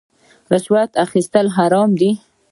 رشوت اخیستل حرام دي